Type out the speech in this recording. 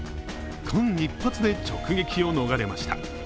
間一髪で直撃を逃れました。